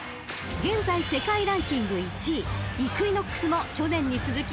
［現在世界ランキング１位イクイノックスも去年に続き参戦］